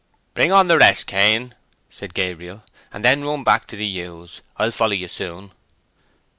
"Bring on the rest Cain," said Gabriel, "and then run back to the ewes. I'll follow you soon."